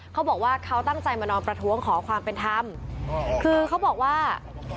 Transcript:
เขาบอกว่าเขาตั้งใจมานอนประท้วงขอความเป็นธรรมคือเขาบอกว่า